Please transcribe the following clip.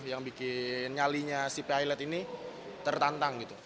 yang bikin nyalinya si pilot ini tertantang gitu